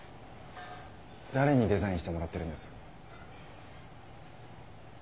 誰に「デザイン」してもらってるんです？